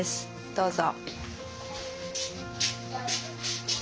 どうぞ。